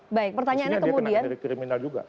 maksudnya dia kena hukum dari kriminal juga